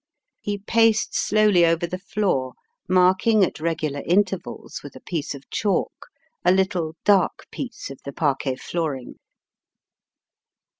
He paced slowly over the floor, marking at regular intervals with a piece of chalk a little dark piece of the parquet flooring.